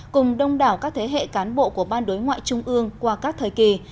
cùng đông đảo các thế hệ cán bộ của ban đối ngoại trung ương qua các thời kỳ